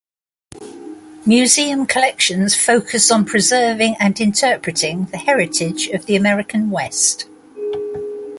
Museum collections focus on preserving and interpreting the heritage of the American West.